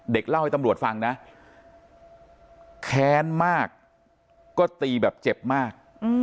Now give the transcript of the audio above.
เล่าให้ตำรวจฟังนะแค้นมากก็ตีแบบเจ็บมาก